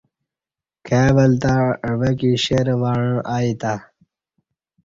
کای ول تں عوہ کی شیر وعݩع ایی تہ